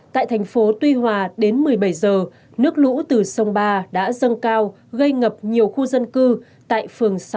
tại thành phố tuy hòa đến một mươi bảy giờ nước lũ từ sông ba đã dâng cao gây ngập nhiều khu dân cư tại phường sáu